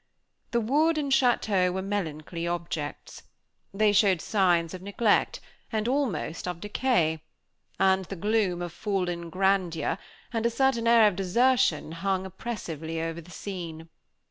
The wood and château were melancholy objects. They showed signs of neglect, and almost of decay; and the gloom of fallen grandeur, and a certain air of desertion hung oppressively over the scene.